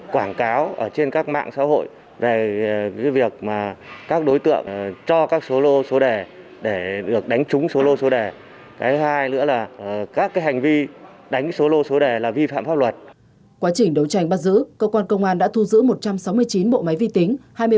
quá trình đấu tranh bắt giữ cơ quan công an đã thu giữ một trăm sáu mươi chín bộ máy vi tính